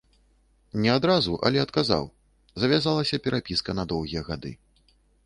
Не адразу, але адказаў, завязалася перапіска на доўгія гады.